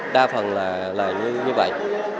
đa phần là như vậy